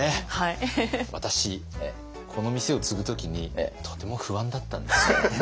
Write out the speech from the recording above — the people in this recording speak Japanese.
私この店を継ぐ時にとても不安だったんですよね。